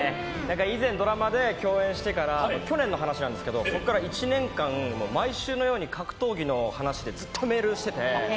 以前ドラマで共演してから、去年の話ですけど、そこから１年間、毎週格闘技の話、ずっとしてて。